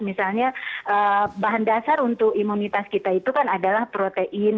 misalnya bahan dasar untuk imunitas kita itu kan adalah protein